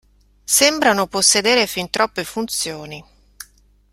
Sembrano possedere fin troppe funzioni.